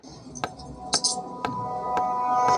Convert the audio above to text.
مقطعات حروف هجائيه حروف دي.